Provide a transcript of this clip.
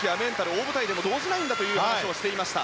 大舞台でも動じないんだと話していました。